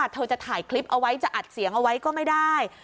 เธอจะถ่ายคลิปเอาไว้จะอัดเสียงเอาไว้ก็ไม่ได้